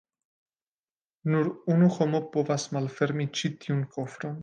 Nur unu homo povas malfermi ĉi tiun kofron.